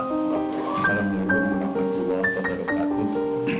salam leluhur rahmatullah wabarakatuh